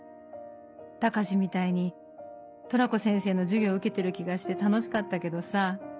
「高志みたいにトラコ先生の授業受けてる気がして楽しかったけどさ。